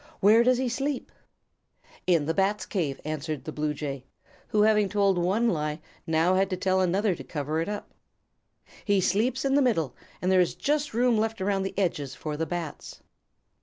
"Where does he sleep?" "In the Bats' cave," answered the Blue Jay, who having told one lie, now had to tell another to cover it up. "He sleeps in the middle and there is just room left around the edges for the Bats."